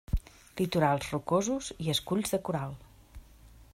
Litorals rocosos i esculls de coral.